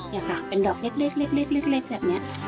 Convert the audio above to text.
นี่ค่ะเป็นดอกเล็กแบบนี้